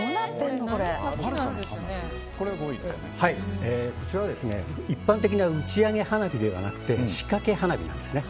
こちらは一般的な打ち上げ花火ではなくて仕掛け花火なんですね。